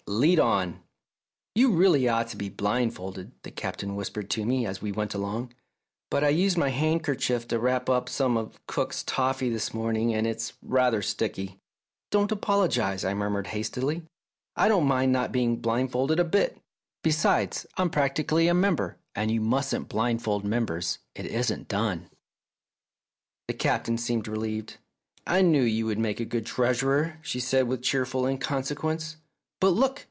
Lead on !" "You ought really to be blindfolded," the Captain whispered to me as we went along, " but I used my handkerchief to wrap up some of cook's toffee this morning, and it's rather sticky." " Don't apologise," I murmured hastily ;" I don't mind not being blindfolded a bit. Besides, I'm practically a member, and you mustn't blindfold members ; it isn't done." The Captain seemed relieved. " I knew you would make a good treasurer," she said with cheerful inconsequence. " But, look